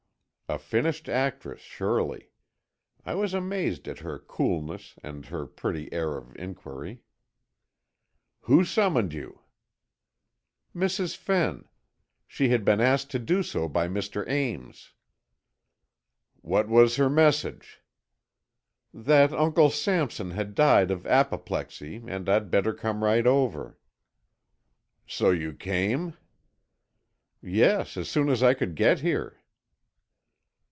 A finished actress, surely. I was amazed at her coolness and her pretty air of inquiry. "Who summoned you?" "Mrs. Fenn. She had been asked to do so by Mr. Ames." "What was her message?" "That Uncle Sampson had died of apoplexy and I'd better come right over." "So you came?" "Yes, as soon as I could get here."